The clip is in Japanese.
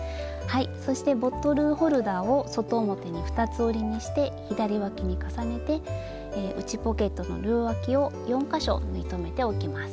そしてボトルホルダーを外表に二つ折りにして左わきに重ねて内ポケットの両わきを４か所縫い留めておきます。